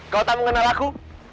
kau tak mengenal aku